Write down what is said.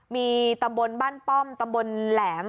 มีตำบลบ้านป้อมตำบลแหลม